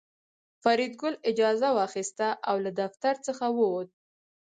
فریدګل اجازه واخیسته او له دفتر څخه ووت